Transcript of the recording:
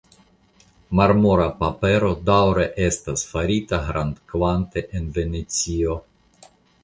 Marmora papero daŭre estas farita grandkvante en Venecio.